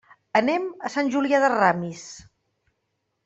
Anem a Sant Julià de Ramis.